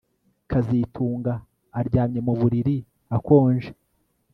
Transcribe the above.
kazitunga aryamye mu buriri akonje